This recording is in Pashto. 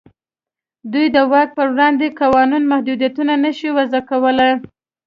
دوی د واک په وړاندې قانوني محدودیتونه نه شي وضع کولای.